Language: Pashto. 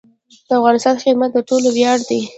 د افغانستان خدمت د ټولو ویاړ دی